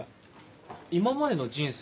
今までの人生で。